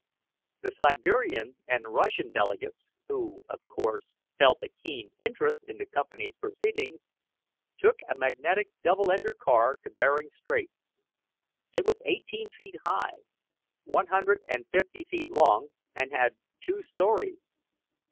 The Siberian and Russian delegates, who, of course, felt a keen interest in the company's proceedings, took a magnetic double ender car to Bering Strait. It was eighteen feet high, one hundred and fifty feet long, and had two stories.